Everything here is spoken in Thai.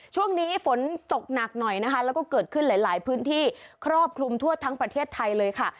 ช่วงนี้ฝนตกหนักหน่อยนะคะแล้วก็เกิดขึ้นหลายพื้นที่ครอบคลุมทั่วทั้งประเทศไทยเลยค่ะ